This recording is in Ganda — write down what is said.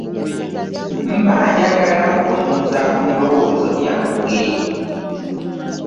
Mba jnjagala kuwummuza ku birowoozi byange .